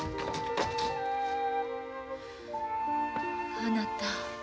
あなた。